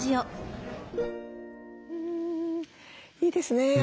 いいですね。